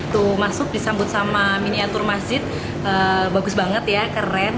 tuh masuk disambut sama miniatur masjid bagus banget ya keren